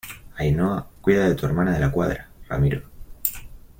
Ainhoa, cuida de tu hermana. de la Cuadra , Ramiro ,